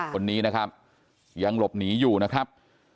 คนนี้นะครับยังหลบหนีอยู่นะครับ